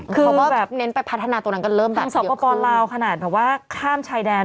คือแบบเน้นไปพัฒนาตัวนั้นก็เริ่มทางสปลาวขนาดแต่ว่าข้ามชายแดน